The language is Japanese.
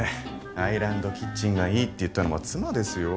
アイランドキッチンがいいって言ったのは妻ですよ？